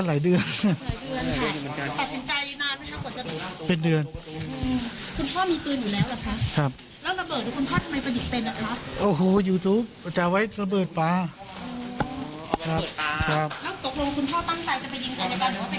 แล้วตกลงคุณพ่อตั้งใจจะไปยิงไอรับาลหรือว่าไปคุยคะยังไงครับ